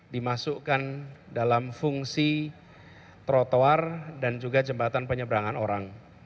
dimasukkan dalam fungsi trotoar dan juga jembatan penyeberangan orang